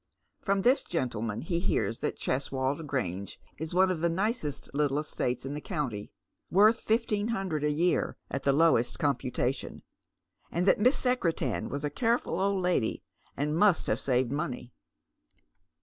From this gentleman he hears that Cheswold Grange is one of the nicest little estates in the county, worth fifteen hundred a yea* 158 Dead Mens SJioes. at the lowest computation, and that Miss Secretan was a careful old lady, and must have saved money.